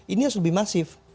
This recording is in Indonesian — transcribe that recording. ini harus lebih masif